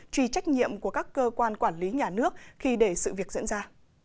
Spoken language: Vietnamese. trì trách nhiệm của các cơ quan quản lý nhà nước khi để sự việc diễn ra